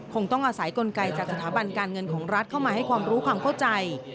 คงต้องอาศัยกลไกจากสถาบันการเงินของรัฐเข้ามาให้ความรู้ความเข้าใจ